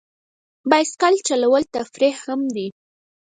بایسکل چلول تفریح هم دی.